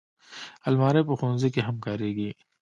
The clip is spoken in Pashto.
الماري په ښوونځي کې هم کارېږي